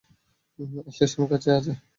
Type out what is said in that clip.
Station কাছেই আছে।